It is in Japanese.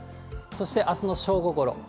そしてあすの正午ごろ。